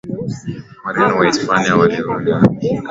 Wareno na Wahispania waliunda utawala wao Amerika Kusini